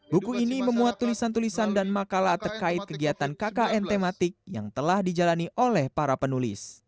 buku ini memuat tulisan tulisan dan makalah terkait kegiatan kkn tematik yang telah dijalani oleh para penulis